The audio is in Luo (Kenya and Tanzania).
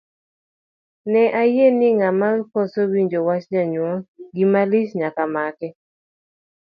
Ne ayie ni ng'ama okoso winjo wach janyuol, gima lich nyaka make.